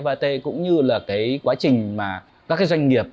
vat cũng như là cái quá trình mà các cái doanh nghiệp